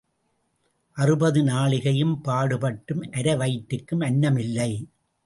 அறுபது நாழிகையும் பாடுபட்டும் அரை வயிற்றுக்கு அன்னம் இல்லை.